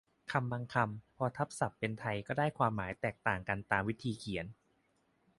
คำบางคำ พอทับศัพท์เป็นไทยก็ได้ความหมายแตกต่างกันตามวิธีเขียน